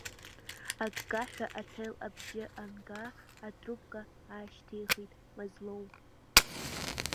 Аккаҳәа аҭел абжьы анга, атрубка аашьҭихит Мазлоу.